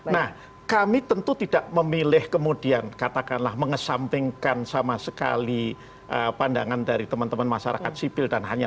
nah kami tentu tidak memilih kemudian katakanlah mengesampingkan sama sekali pandangan dari teman teman masyarakat sipil dan hanya